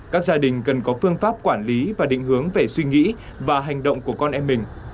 các gia đình cần có phương pháp quản lý và định hướng về suy nghĩ và hành động của con em mình